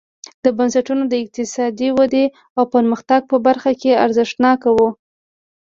دا بنسټونه د اقتصادي ودې او پرمختګ په برخه کې ارزښتناک وو.